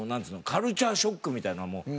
カルチャーショックみたいなもの